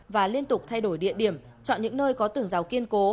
và liên tục thay đổi địa điểm chọn những nơi có tường rào kiên cố